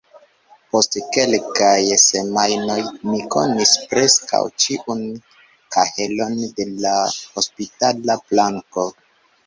Post kelkaj semajnoj, mi konis preskaŭ ĉiun kahelon de la hospitala planko.